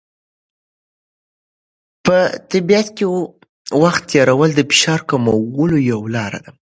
په طبیعت کې وخت تېرول د فشار کمولو یوه لاره ده.